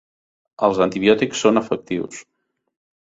Els antibiòtics són efectius.